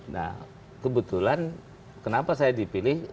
nah kebetulan kenapa saya dipilih